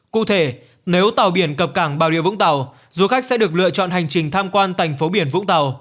cụ thể nếu tàu biển cập cảng bà rịa vũng tàu du khách sẽ được lựa chọn hành trình tham quan thành phố biển vũng tàu